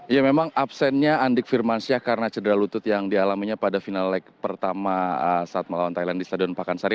ya memang absennya andik firmansyah karena cedera lutut yang dialaminya pada final leg pertama saat melawan thailand di stadion pakansari